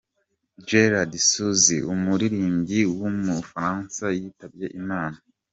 Gerard Suzay, umuririmbyi w’umufaransa yitabye Imana.